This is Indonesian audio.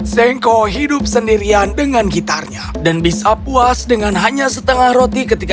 sengko hidup sendirian dengan gitarnya dan bisa puas dengan hanya setengah roti ketika